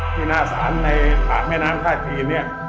หน้าสันในผ่านแม่น้ำท่ายสีนี้